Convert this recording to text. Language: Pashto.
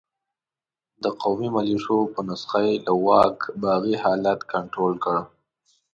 د قومي ملېشو په نسخه یې له واګو باغي حالت کنترول کړ.